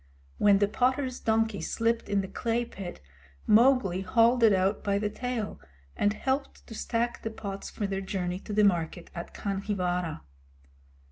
When the potter's donkey slipped in the clay pit, Mowgli hauled it out by the tail, and helped to stack the pots for their journey to the market at Khanhiwara.